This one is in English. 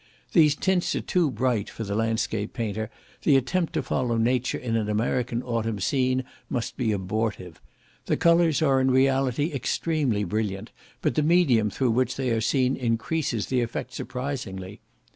These tints are too bright for the landscape painter; the attempt to follow nature in an American autumn scene must be abortive. The colours are in reality extremely brilliant, but the medium through which they are seen increases the effect surprisingly.